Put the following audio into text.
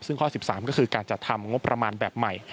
ซึ่งข้อ๑๓ก็คือการจัดทำงบประมาณแบบใหม่